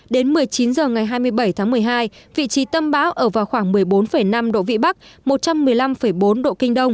đến một mươi chín h ngày hai mươi bảy tháng một mươi hai vị trí tâm bão ở vào khoảng một mươi bốn năm độ vn một trăm một mươi năm bốn độ k